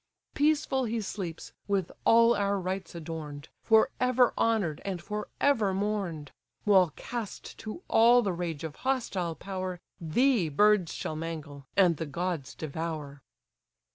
Peaceful he sleeps, with all our rites adorn'd, For ever honour'd, and for ever mourn'd: While cast to all the rage of hostile power, Thee birds shall mangle, and the gods devour."